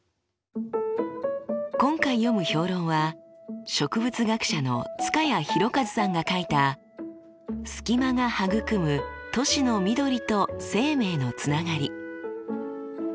今回読む評論は植物学者の塚谷裕一さんが書いた「スキマがはぐくむ都市の緑と生命のつながり」。